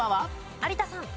有田さん。